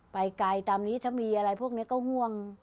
ไปไกลตามนี้ถ้ามีอะไรพวกนี้ก็ห่วง